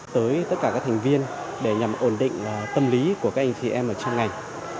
tới tất cả các thành viên để nhằm ổn định tâm lý của các anh chị em ở trong ngành